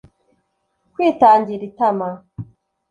kwitangira itama